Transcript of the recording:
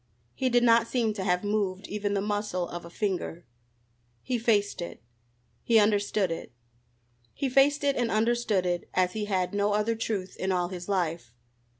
He did not seem to have moved even the muscle of a finger. He faced it. He understood it. He faced it and understood it as he had no other truth in all his life.